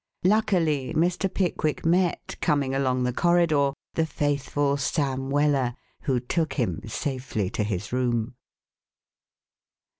Luckily Mr. Pickwick met, coming along the corridor, the faithful Sam Weller who took him safely to his room.